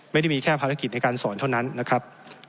ไม่ได้มีแค่ภารกิจในการสอนเท่านั้นนะครับ